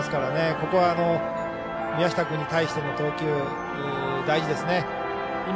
ここは、宮下君に対しての投球大事ですね。